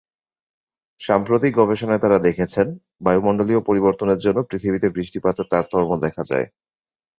সাম্প্রতিক গবেষণায় তাঁরা দেখেছেন, বায়ুমণ্ডলীয় পরিবর্তনের জন্য পৃথিবীতে বৃষ্টিপাতের তারতম্য দেখা যায়।